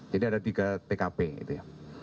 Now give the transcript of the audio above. jadi ada tiga tkp gitu ya